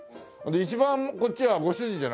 一番こっちがご主人じゃないですか？